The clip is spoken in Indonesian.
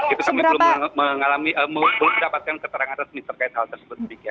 itu kami belum mendapatkan keterangan resmi terkait hal tersebut